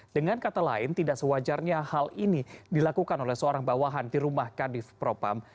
dengan kata lain tidak sewajarnya hal ini dilakukan oleh seorang bawahan di rumah kadif propam